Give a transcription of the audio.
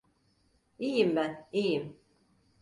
İyiyim ben, iyiyim.